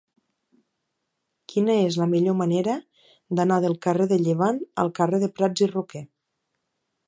Quina és la millor manera d'anar del carrer de Llevant al carrer de Prats i Roquer?